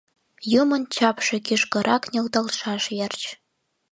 Юмын чапше кӱшкырак нӧлталтшаш верч.